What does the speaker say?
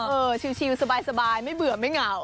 ชิลสบายไม่เบื่อไม่เหงา